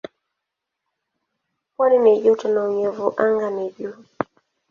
Pwani ni joto na unyevu anga ni juu.